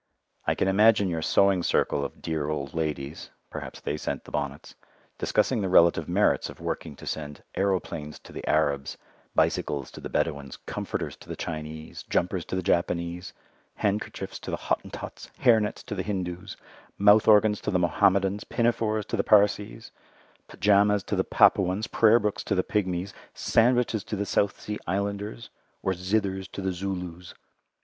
I can imagine your sewing circle of dear old ladies (perhaps they sent the bonnets) discussing the relative merits of working to send aeroplanes to the Arabs, bicycles to the Bedouins, comforters to the Chinese, jumpers to the Japanese, handkerchiefs to the Hottentots, hair nets to the Hindoos, mouth organs to the Mohammedans, pinafores to the Parsees, pyjamas to the Papuans, prayer books to the Pigmies, sandwiches to the South Sea Islanders, or zithers to the Zulus.